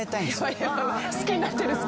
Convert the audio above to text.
ヤバい好きになってる。